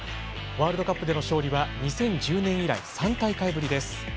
ワールドカップでの勝利は２０１０年以来３大会ぶりです。